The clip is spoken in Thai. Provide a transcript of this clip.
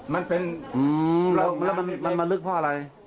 มันเป็นแล้วมันมาลึกเพราะอะไร